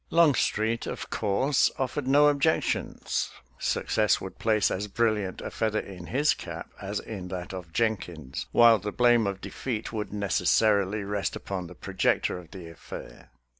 Longstreet, of course, offered no objections; suc cess would place as brilliant a feather in his cap as in that of Jenkins, while the blame of defeat would necessarily rest upon the projector of the affair.